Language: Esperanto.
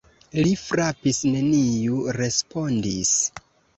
Li frapis: neniu respondis.